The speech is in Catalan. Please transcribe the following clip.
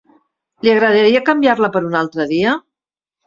Li agradaria canviar-la per un altre dia?